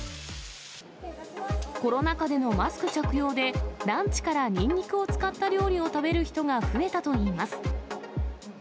コロナ禍でのマスク着用で、ランチからニンニクを使った料理を食べる人が増えたといいます。